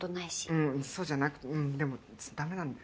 うんそうじゃなくてうんでもだめなんだよ。